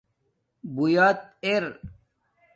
بُݸیت اِر